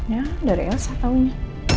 ya dari elsa tahunya